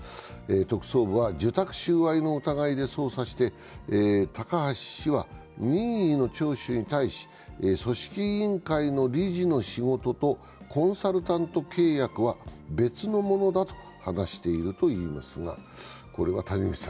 特捜部は受託収賄の疑いで捜査して高橋氏は任意の聴取に対し、組織委員会の理事の仕事とコンサルタント契約は別のものだと話しているといいます。